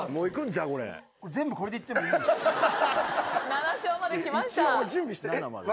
７笑まできました。